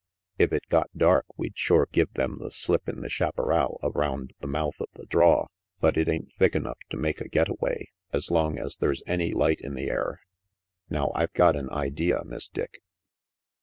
If it got dark, we'd sure give them the slip in the chaparral around the mouth of the draw, but it ain't thick enough to irake a getaway as long as they's any light in the air. Now I've got an idea, Miss Dick."